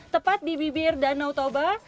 tepat di bibir danau toba